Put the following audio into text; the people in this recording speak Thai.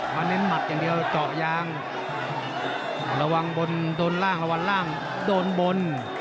เน้นหมัดอย่างเดียวเจาะยางระวังบนโดนล่างระวังล่างโดนบน